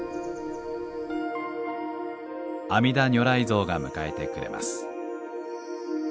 阿弥陀如来像が迎えてくれます。